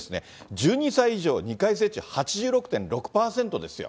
１２歳以上、２回接種８６．６％ですよ。